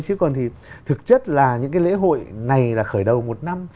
chứ còn thì thực chất là những cái lễ hội này là khởi đầu một năm